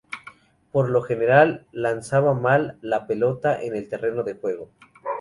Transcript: Por lo general, lanzaba mal la pelota en el terreno de juego.